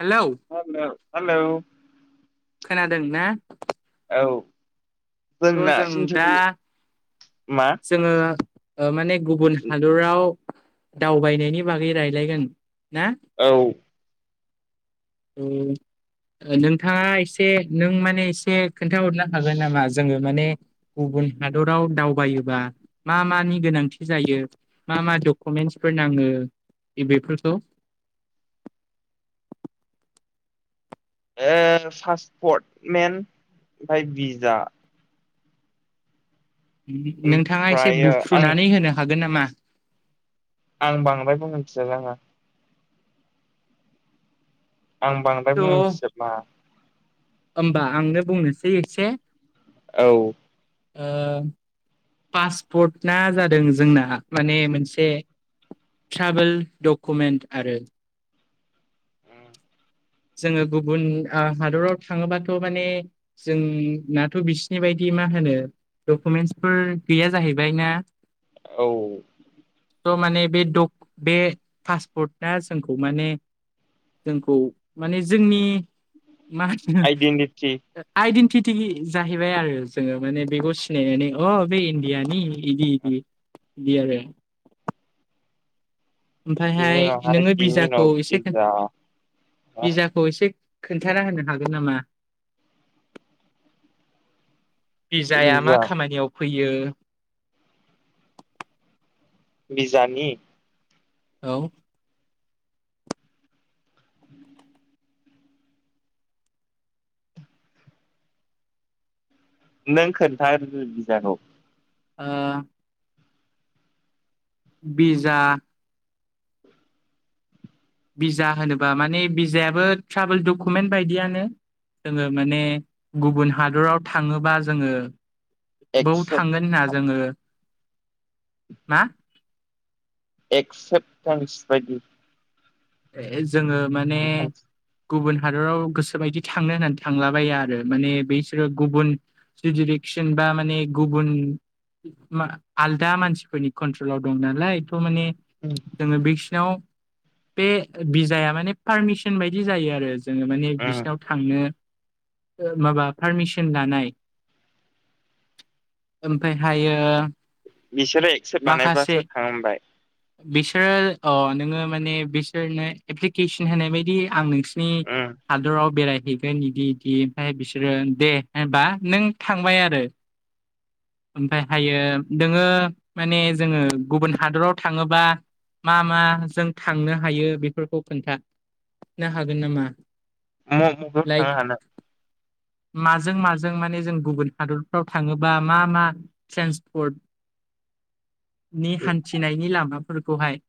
Hello [unintelligible] hello खोनादों ना? औ जोंना जों दा इन्टारभिउ। मा? जोङो ओ माने गुबुन हादराव दावबायनायनि बागै रायजलायगोन ना? औ। [unintelligible] ओ नोंथाङा एसे नों माने एसे खोन्थाहरनो हागोन नामा जोङो माने गुबुन हादराव दावबायोबा मा मानि गोनांथि जायो मा मा डकुमेन्टसफोर नाङो बि बेफोरखौ? ओ पासपर्टमेन ओमफ्राय वीजा। नोंथाङा एसे ओमफ्रायो आं बुफ्रूनानै होनो हागोन नामा? आं बांद्राय बुंनो [unintelligible] आं बांद्राय थ' बुंथिसोबा। होमबा आंनो बुंनोसै एसे औ। ओ पासपर्ट ना जादों जोंना माने मोनसे ट्राभेल डकुमेन्ट आरो। जोंङो गुबुन ओ हादराव थांङोबाथ माने जोंनाथ बिसिनि बायदि मा होनो डकुमेन्सफोर गैया जाहैबाय ना? औ। थ माने बे द बे पासपर्टआ जोंखौ माने जोंखौ माने जोंनि मा होनो आइडेन्टिटि आइडेन्टिटि जाहैबाय आरो जोंङो माने बेखौ सिनायनानै अ बे इण्डियानि बिदि इदि बि आरो बिनि ओमफ्रायहाय उनावहाय नोंङो बिनि बिजाखौ उनाव एसे खिन भिजा बिजाखौ एसे खोन्थाना होनो हागोन नामा? बिजाया मा भिजा खामानियाव फैयो बिजानि? औ। [inaudible] नों खोन्थारो बिजखौ। ओ बिजा बिजा होनोबा माने बिजायाबो ट्रभेल डकुमेन्ट बायदियनो। जोंङो माने गुबुन हादराव थांङोबा जोंङो बौ एक्सेप्ट थांगोन होनना जोंङो ‌। मा? एक्सेप्टेन्स बायदि ए जोंङो माने गुबुन हादराव गोसो बायदि थांनो होननानै थांलाबाया आरो माने बेसोरो गुबुन जडिरेक्सन बा माने गुबुन मा आलदा मानसिफोरनि कन्ट्रलाव दं नालाय थ माने उम। जोंङो बिसिनाव बे बिजाया माने पारमिसन बायदि जायो आरो जोंङो माने बिसिनाव थांनो माबा पारमिसन लानाय ओमफाय हायो बिसोरो एक्सेप्ट बानायबासो थांबाय बिसोरो अ नोंङो माने बिसोरनो एप्लिकेसन होनाय बायदि आं नोंसि नि हादराव बेरायहै इदि इदि ओमफ्राय बिसोरो दे होनबा नों थांबाय आरो। ओमफाय हायो नोंङो माने जोंङो गुबुन हादराव थांङोबा मा मा जों थांनो हायो बेफोरखौ खोन्था नो हागोन नामा? म [unintelligible] मगायाव लाइक थाङा हानो। माजों माजों माने जों गुबुन हादरफ्राव थांङोबा मा मा ट्रेन्सपर्ट [unintelligible] नि हान्थिनायनि लामाफोरखौहाय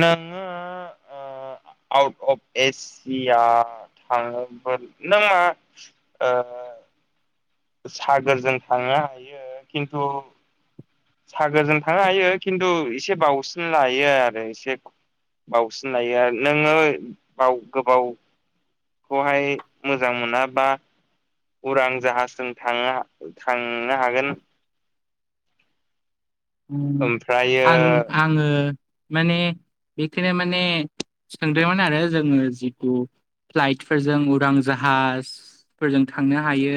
नङ [unintelligible] आउट अफ एसिया थांङोमोन नंङा ओ। सागोरजों थांनो हायो खिन्थु सागोरजों थांनो हायो खिन्थु एसे बावसिन लायो आरो एसे बावसिन लायो आरो नोंङो बाव गोबाव खौहाय मोजां मोना बा उरां जाहाजजों थां थांनो हागोन। ओमफ्रायो आं आङो माने बेखनो माने सोंदोंमोन आरो जोङो जिथु फ्लाइटफोरजों उरां जाहाजफोरजों थांनो हायो।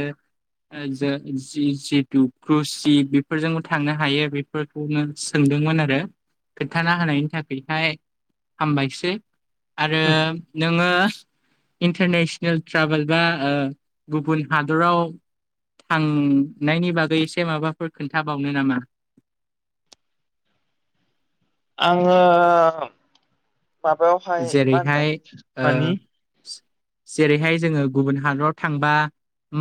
ज जितु क्रुसि बेफोरजोंबो थांनो हायो बे फोरखौनो सोंदोंमोन आरो खोन्थाना होनायनि थाखायहाय हामबायसो। आरो। नोङो इन्टारनेसनेल ट्राभेल बा गुबुन हादराव थांनायनि बागै एसे माबाफोर खोन्थाबावनो नामा? आङो माबायावहाय मा जेरैहाय होनोम ओ मानि जेरैहाय जोङो गुबुन हादराव थांबा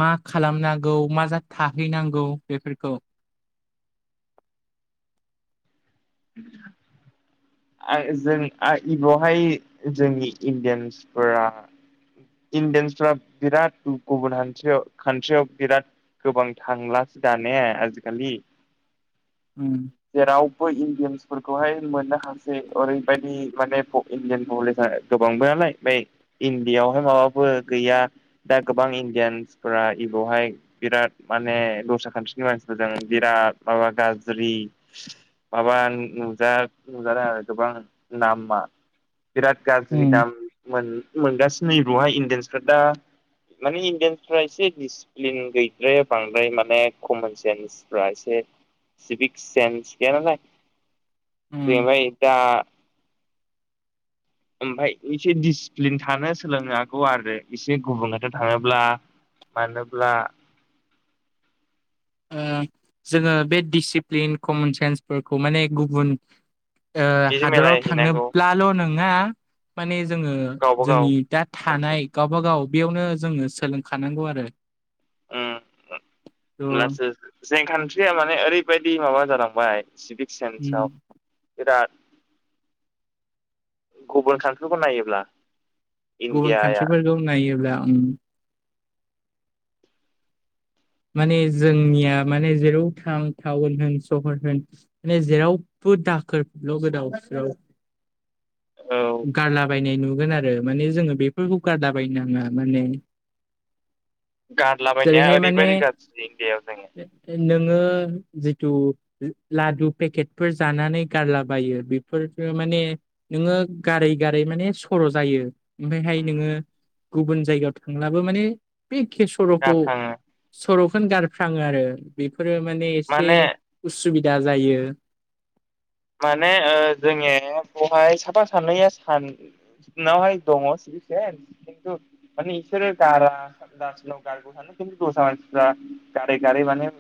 मा खालामनांगौ मा जा थाहैनांगौ बेफोरखौ [inaudible] जों बेवहाय जोंनि इण्डियानस फोरा इण्डियानसफ्रा बिराद गुबुन हान्रियाव खान्ट्रियाव बिराद गोबां थांलासो दा ने आजिखालि। उ। जेरावबो इणडियामसफोरखौहाय मोननो हासै ओरैबायदि माने इण्डियान नलेजआ गोबांबो नालाय बै इन्दिीयावहाय माबाबो गैया। दा गोबां इण्डियानसफोरा बेबावहाय बिराद माने दस्रा कान्ट्रिनि मानसिफोरजों बिराद माबा गाज्रि माबा नुजा नुजादों आरो गोबां नामा, बिराद गाज्रि उम दाम मोनगासिनो बहाय इण्डियानसफ्रा दा माने इण्डियानसफ्रा एसे दिडिसिप्लिन गैद्राया बांद्राय माने कमन सेन्स मानसिफ्रा एसे सिभिक सेन्स गैया नालाय जाहैबाय दा ओमफफ्राय एसे दिडिसिप्लिन थानो सोलोंनो हागौ आरो एसे गुबुंथ' थाङोब्ला [unintelligible] जोङो बे डिसिप्लिन कमन सेन्सफोरखौ माने गुबुन एसे हादराव मिलायहैनांगौ थांनोबब्ला हेल' नङा माने जोङो गावबा जोंनि गाव दा थानाय कान्ट्रियाव गावबाागाव बेयावनो जोङो सोलोंखानांगौ आरो। थ' होमब्लासो जेंखान्थि्रिया माने ओरैबायदि माबा जालांबाय सिभिक उम सेन्सआव बिराज गुबुन कान्ट्रिखौ नायोब्ला गुबुन इण्डियाया कान्टिफोरखौ नायोब्ला ओ माने जोंनिया माने जेराव थां टाउन होन सहर होन माने जेरावबो दाखोरल' गोदाव सोराव औ गारलाबायायनाय नुगोन आरो माने जोङो बेफोरखौ गारलाबायायनो नाङा माने गारलाबायनाया जेरैहाय माने ओरैबायदि गाज्रि इण्डिायाव जोङो नोङो जिथु लादु पेकेटफोर जानानै गारलाबायो बेफोरजों माने नोङो गारै गारै माने सर' जायो ओमफफ्रायहाय उम नोङो गुबुन जायगायाव थांब्लाबो माने बे केसर'खौ गारफ्लाङो सर'खौनो गारफ्राङो आरो बेफोरो माने एसे उसुबिदा जायो। माने ओ जोङनि बेहाय साफा सानैैया सान नहाय दङस खिथु माने इसोर गारा ग ग दस म्रा गारै गारै माने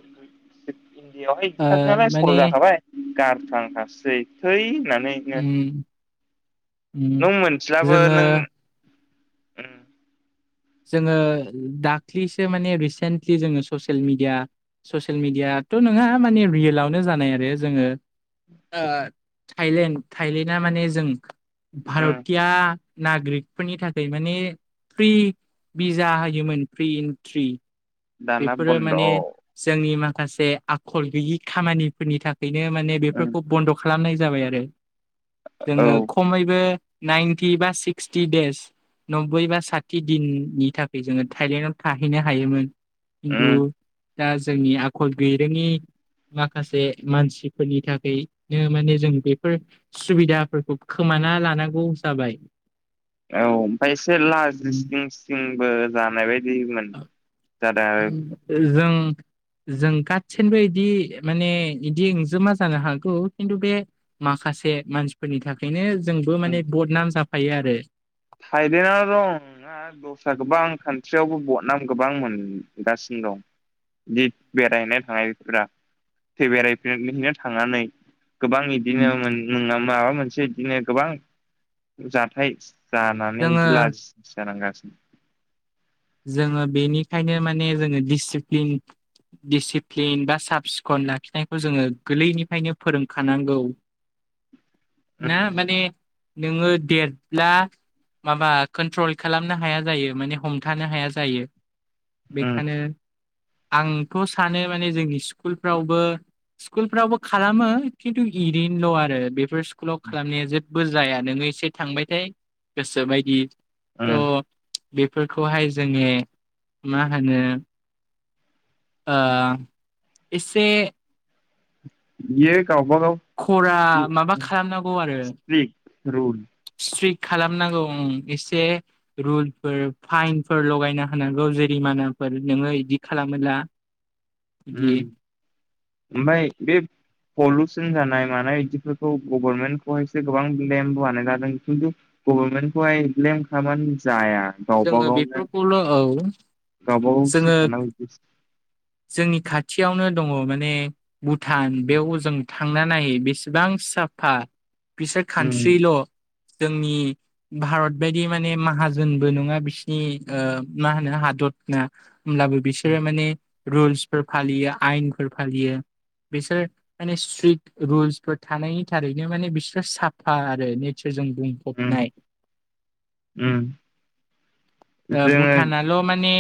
इण्डिआवहाय ओ बिदिखसै नालाय माने सर' जाखाबाय गारथांखासै थै होननानैनो उम उम नों मोनथिलाबो जोङो नों उम जोङो दाख्लिसो माने रिसेन्टलि जोङो ससियेल मिेडिया ससियेल मिेडियाथ' नङा माने रियेलावनो जानाय आरो जोङो ओ थायलेण्ड थाइलेण्डआ माने जों उम भारतिया नागरिकफोरनि थाखाय माने फ्रि भिजा होयोमोन फ्रि एन्ट्रि दाना बेफोरो बन्द' माने उम जोंनि माखासे आखल गैयि खामानिफोरनि थाखायनो माने बेफोरखौ बन्द' खालामनाय जाबाय आरो औ जोङो खमैबो नाइन्टि बा सिक्सटि दडेज नब्बै बा साथि दिननि थाखाय जोङो थाइलेण्डाव थाहैनो हायोमोन खिन्थु उम दा जोंनि आखल गैरोङनि माखासे मानसिफोरनि थाखायनो माने जों बेफोर सुबिदाफोरखौ खोमाना लानांगौ जाबाय। औ ओमफ्राय एसे लाजिस्लिं सलिंबो जानाय बायदिमोन जादों आरो जों जों गासिनबो इदि माने इदिंजोमा जानो हागौ खिन्थु बे माखासे मानसिफोरनि थाखायनो जोंबो माने बद नाम जाफायो आरो फायदिन रं न दा दस्रा गोबां कान्टियावबो बदनाम गोबां मोनगासिनो दं जि बेरायहैनाय थांनायफोरा थै बेरायफनो थांनानै गोबां बिदिनो न माबा मोनसे बिदिनो गोबां जाथाय जानानै बिदि जोङो लाजि जानांगासिनो जोङो बेनिखायनो माने जोङो दिडिसिप्लिन दिडिसिप्लिन बा साब सिखन लाखिनायखौ जोङो गोरलैनिफ्रायनो फोरोंखानांगौ [inaudible] ना उम माने नोङो देरब्ला माबा कन्ट्रल खालामनो हाया जायो माने हम थानो हाया जायो उम बेखायनो आंथ' सानो माने जोंनि स्कुलफ्रावबो स्कुलफ्रावबो खालामो खिन्थु एरैनोल' आरो बेफोर स्कुलाव खालामनाया जेबो जाया नोङो एसे थांबायथाय गोसोबायदि थ' उम बेफोरखौहाय जोङो मा होनो? आ इसे बेयो गावबा गाव खरा माबा खालामनांगौ आरो। स्ट्रिक रुल स्ट्रिक खालामनांगौ ओं। एसे रुलफोर फाइनफोर लगायना होनांगौ जेरिमानाफोर नोङो इदि खालामोला बिदि उम ओमफाय बे पलुसन जानाय मानाय बिदिफोरखौ गभर्नमेन्टखौ हायसो गोबां ब्लेम बनायनाय जादों किन्टु गभर्मेन्टखौहाय ब्लेम खालामनानै जाया। गावबा जोङो गावनो बेफोरखौल' औ गावबा गावसो जोङो थानांगौ बिदिसो जोंनि खाथियावनो दङ माने भुटान बेयाव जों था थांना नायै बेसेबां साफा बिसोर उम खानट्रिल' जोंनि भारत बायदि माने माहाजोन बो नङा बिसिनि मा होनो हादरना होमब्लाबो बिसोरो माने रुल्सफोर फालियो आयनफोर फालियो बिसोर माने स्ट्रिक रुल्सफोर थानायनि थारैनो माने बिस्रा साफा आरो नेचारजों बुं उम फबनाय उम ओ जोङो भुटानआ ल' माने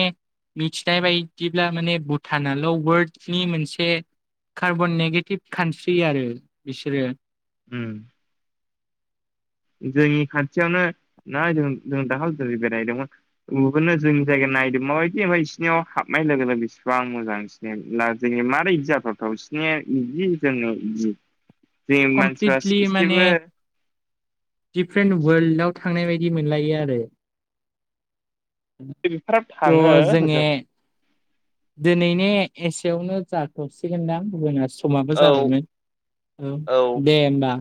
मिथिनाय बायदिब्ला माने भुटानल' वर्ल्डनि मोनसे कार्बन नेगेटिभ कान्ट्रि आरो बिसोरो। उम जोंनि खाथियावनो ना जों जों दाखालै जों बेरायहैदोंमोन। नुगोननो जोंनि जायगाया नायदो माबायदि ओमफ्राय बिसोरनियाव हाबनाय लोगो लोगो इसिबां मोजां। जब्ला जोंनि मारै जाथावथाव बिसिनिया इदि जोंनियाव इदि। जोंनि मानसिफ्रा कमप्लिटलि माने सासेबो दिफारेन्ट वर्ल्ड आव थांनाय बायदि मोनलायो आरो। बेफोराव त'' थाङो जोङो होजों दिनैनि एसेयावनो जाथ'सिगोनदां गुबुन समाबो औ जाबायमोन औ औ उम दे ओमबा।